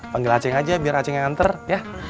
panggil ceng aja biar ceng yang nganter ya